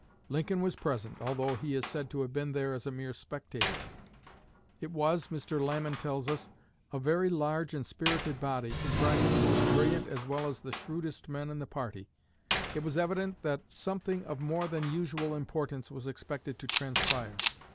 Lincoln was present, although he is said to have been there as a mere spectator. It was, Mr. Lamon tells us, "A very large and spirited body, comprising the most brilliant as well as the shrewdest men in the party. It was evident that something of more than usual importance was expected to transpire.